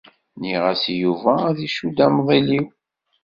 Nniɣ-as i Yuba ad icudd amḍelliw.